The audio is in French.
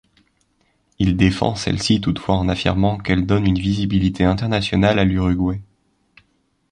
Il défend celle-ci toutefois en affirmant qu'elle donne une visibilité internationale à l'Uruguay.